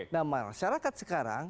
nah masyarakat sekarang